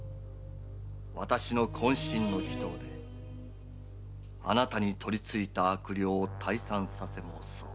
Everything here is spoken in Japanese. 私の渾身の祈であなたに取り憑いた悪霊を退散させ申そう。